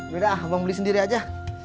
beda ah bang beli sendiri aja